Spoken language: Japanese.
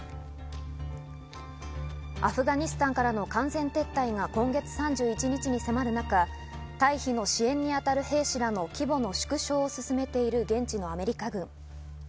アフガニスタンからの完全撤退が今月３１日に迫る中、退避の支援にあたる兵士らの規模の縮小を進めている現地のアメリカ軍。